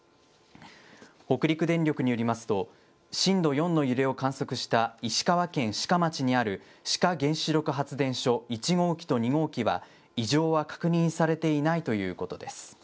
北陸電力によりますと、震度４の揺れを観測した石川県志賀町にある志賀原子力発電所１号機と２号機は、異常は確認されていないということです。